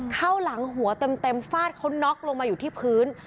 เข้าหลังหัวเต็มฟาดเขาน็อกลงมาอยู่ที่พื้น